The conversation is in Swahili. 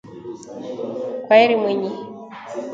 Kwaheri Mwinyi